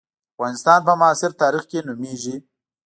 افغانستان په معاصر تاریخ کې نومېږي.